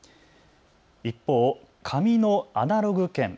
一方、紙のアナログ券。